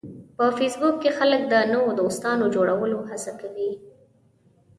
په فېسبوک کې خلک د نوو دوستانو جوړولو هڅه کوي